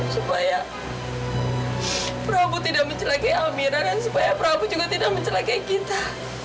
supaya prabu tidak mencelakai amira dan supaya prabu juga tidak mencelakai kita